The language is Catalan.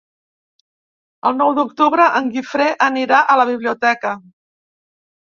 El nou d'octubre en Guifré anirà a la biblioteca.